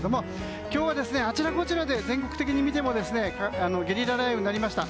今日はあちらこちらで全国的に見てもゲリラ雷雨になりました。